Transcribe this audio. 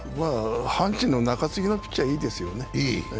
阪神の中継ぎのピッチャー、いいですよね。